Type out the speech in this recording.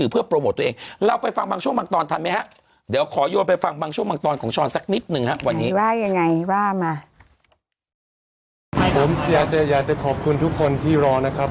ผมอยากจะอยากจะขอบคุณทุกคนที่รอนะครับ